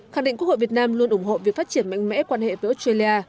khẳng định quốc hội việt nam luôn ủng hộ việc phát triển mạnh mẽ quan hệ với australia